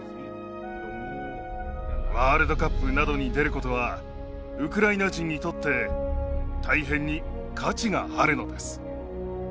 ワールドカップなどに出ることはウクライナ人にとって大変に価値があるのです。